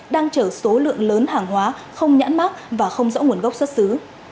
đang chở số lượng lớn hàng hóa không nhãn mát và không rõ nguồn gốc xuất xứ